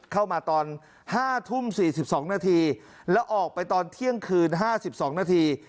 เข้ามาตอน๕ทุ่ม๔๒นาทีแล้วออกไปตอนเที่ยงคืน๕๒นาที